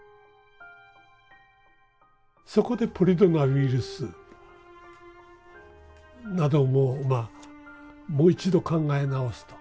そこでポリドナウイルスなどもまあもう一度考え直すと。